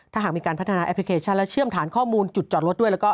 ถ้าหากมีการพัฒนาแอปพลิเคชันและเชื่อมฐานข้อมูลจุดจอดรถด้วยแล้วก็